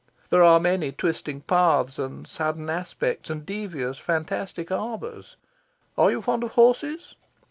There are many twisting paths, and sudden aspects, and devious, fantastic arbours. Are you fond of horses?